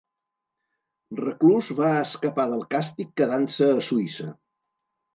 Reclus va escapar del càstig quedant-se a Suïssa.